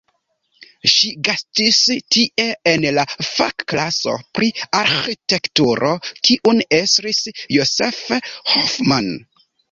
Ŝi gastis tie en la fakklaso pri arĥitekturo kiun estris Josef Hoffmann.